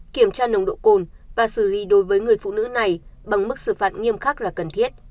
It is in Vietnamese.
kiểm tra nồng độ cồn và xử lý đối với người phụ nữ này bằng mức xử phạt nghiêm khắc là cần thiết